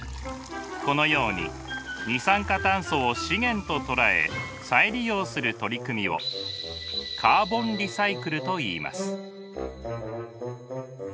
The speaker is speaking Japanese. このように二酸化炭素を資源と捉え再利用する取り組みをカーボンリサイクルといいます。